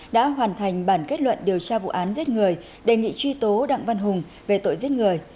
đã hoàn thành bản kết luận điều tra vụ án giết người đề nghị truy tố đặng văn hùng về tội giết người